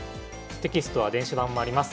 テキストは電子版もあります。